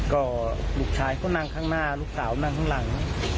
ก็ลูกชายก็นั่งข้างหน้าลูกสาวนั่งข้างหลัง